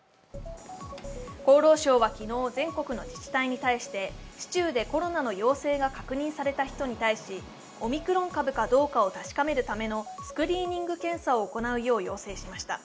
厚労省は昨日、全国の自治体に対して市中でコロナの陽性が確認された人に対し、オミクロン株かどうかを確かめるためのスクリーニング検査を行うよう要請しました。